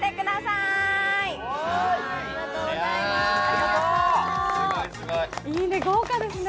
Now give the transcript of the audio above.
いいね、豪華ですね。